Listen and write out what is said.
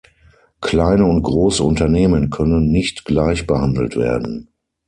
Kleine und große Unternehmen können nicht gleich behandelt werden.